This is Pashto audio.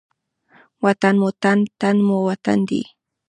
وطن مو تن، تن مو وطن دی.